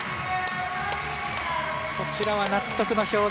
こちらは納得の表情。